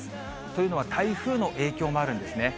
というのは、台風の影響もあるんですね。